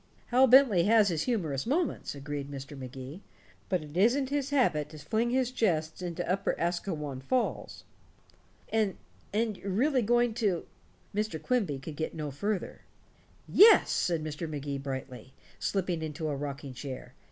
"Hal Bentley has his humorous moments," agreed Mr. Magee, "but it isn't his habit to fling his jests into Upper Asquewan Falls." "And and you're really going to " Mr. Quimby could get no further. "Yes," said Mr. Magee brightly, slipping into a rocking chair.